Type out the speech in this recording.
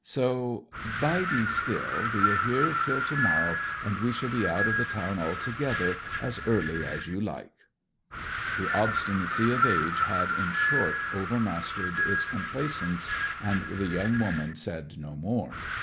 So bide still, d'ye hear, and to morrow we shall be out of the town altogether as early as you like.' The obstinacy of age had, in short, overmastered its complaisance, and the young woman said no more.